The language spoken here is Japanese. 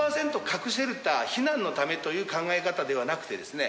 核シェルター避難のためという考え方ではなくてですね